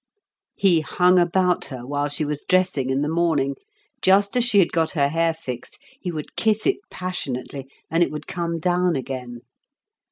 "He hung about her while she was dressing in the morning. Just as she had got her hair fixed he would kiss it passionately and it would come down again.